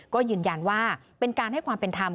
ก็ยืนยันว่าเป็นการให้ความเป็นธรรม